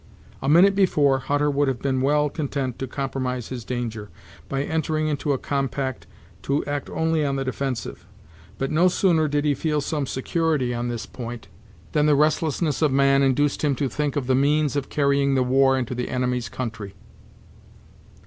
A minute before, Hutter would have been well content to compromise his danger, by entering into a compact to act only on the defensive; but no sooner did he feel some security on this point, than the restlessness of man induced him to think of the means of carrying the war into the enemy's country.